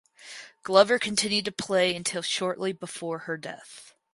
Glover continued to play until shortly before her death.